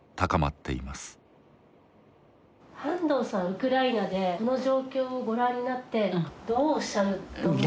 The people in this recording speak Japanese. ウクライナでこの状況をご覧になってどうおっしゃると思いますか？